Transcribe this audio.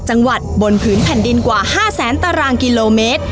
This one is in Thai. จังหวัดบนผืนแผ่นดินกว่า๕แสนตารางกิโลเมตร